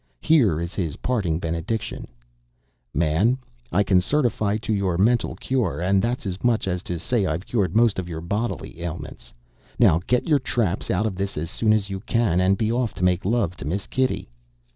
Here is his parting benediction: "Man, I can certify to your mental cure, and that's as much as to say I've cured most of your bodily ailments. Now, get your traps out of this as soon as you can; and be off to make love to Miss Kitty."